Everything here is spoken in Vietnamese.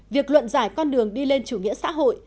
việc luận giải con đường đi lên chủ nghĩa xã hội